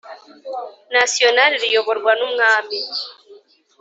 Nationale ruyoborwa n umwami